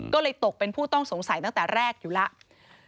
ก็เลยตกเป็นผู้ต้องสงสัยตั้งแต่แรกอยู่แล้ว